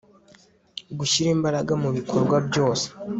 gushyira imbaraga mu bikorwa byose